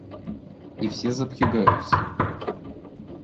И все запрягаются.